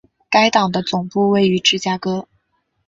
该党的总部位于芝加哥。